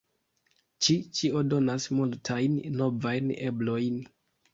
Ĉi ĉio donas multajn novajn eblojn.